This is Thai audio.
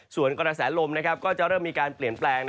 ส่วนกระแสลมก็จะเริ่มมีการเปลี่ยนแปลง